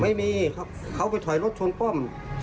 ไม่มีครับเขาไปถอยรถชนป้อม